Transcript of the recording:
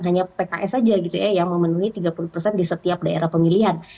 hanya pks saja gitu ya yang memenuhi tiga puluh persen di setiap daerah pemilihan